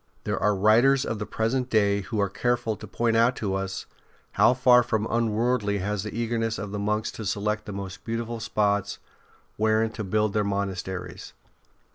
There are writers of the present day who are careful to point out to us how far from unworldly was the eagerness of the monks to 76 ST. BENEDICT select the most beautiful spots wherein to build their monasteries.